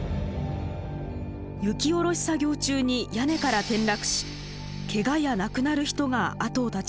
雪おろし作業中に屋根から転落しけがや亡くなる人が後を絶ちません。